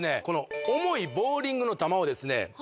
この重いボウリングの球をですね